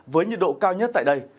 với nhiệt độ cao nhất tại đây